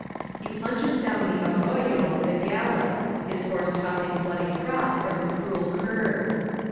He plunges down the arroyo at a gal lop, his horse tossing bloody froth from the cruel curb.